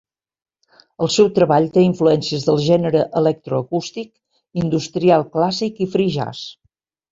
El seu treball té influències del gènere electroacústic, industrial clàssic i "free-jazz".